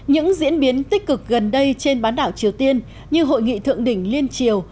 những diễn biến tích cực gần đây trên bán đảo triều tiên như hội nghị thượng đỉnh liên triều